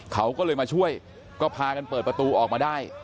เขาก็เลยมาช่วยก็พากันเปิดประตูออกมาได้